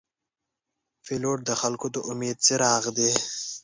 پیلوټ د خلګو د امید څراغ دی.